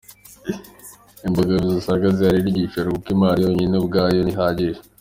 Imbogamizi usanga zihari ni igishoro kuko impano yonyine ubwayo ntihagije.